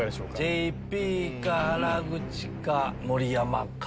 ＪＰか原口か盛山か。